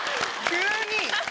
急に。